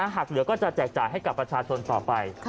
หากเหลือก็จะแจกจ่ายให้กับประชาชนต่อไป